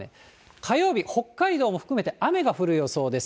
火曜日、北海道も含めて雨が降る予想です。